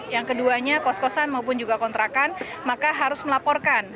yang keduanya kos kosan maupun juga kontrakan maka harus melaporkan